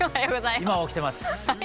今は起きてます。